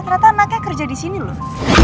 ternyata anaknya kerja disini loh